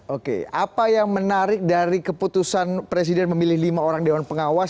oke apa yang menarik dari keputusan presiden memilih lima orang dewan pengawas